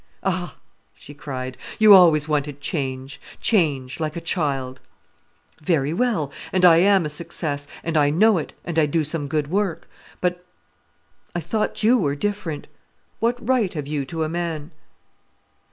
"Ah!" she cried, "you always wanted change, change, like a child." "Very well! And I am a success, and I know it, and I do some good work. But—I thought you were different. What right have you to a man?"